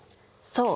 そう。